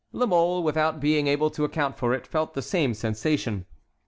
La Mole, without being able to account for it, felt the same sensation.